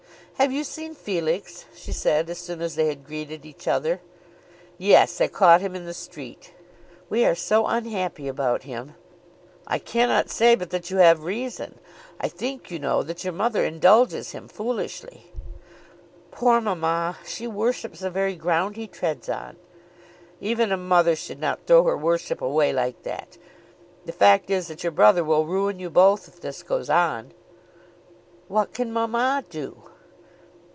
"Have you seen Felix?" she said, as soon as they had greeted each other. "Yes. I caught him in the street." "We are so unhappy about him." "I cannot say but that you have reason. I think, you know, that your mother indulges him foolishly." "Poor mamma! She worships the very ground he treads on." "Even a mother should not throw her worship away like that. The fact is that your brother will ruin you both if this goes on." "What can mamma do?"